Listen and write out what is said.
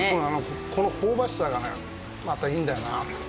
この香ばしさがねまたいいんだよな。